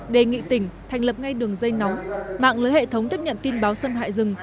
đề nghị tỉnh thành lập ngay đường dây nóng mạng lưới hệ thống tiếp nhận tin báo xâm hại rừng